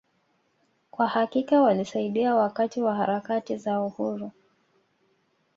Kwa hakika walisaidia wakati wa harakati za Uhuru